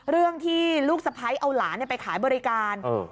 เรื่องที่ลูกสะพ้ายเอาหลานไปขายบริการ